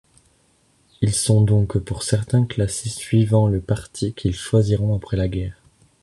Ils sont donc pour certains classés suivant le parti qu'ils choisiront après la guerre.